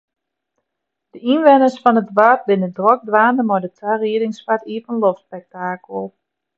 De ynwenners fan it doarp binne drok dwaande mei de tariedings foar it iepenloftspektakel.